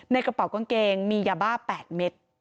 ในกระเป๋ากางเกงมียาบ้า๘เม็ด